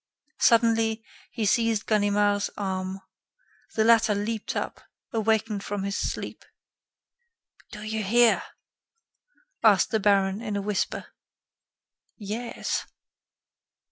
Suddenly, he seized Ganimard's arm. The latter leaped up, awakened from his sleep. "Do you hear?" asked the baron, in a whisper. "Yes."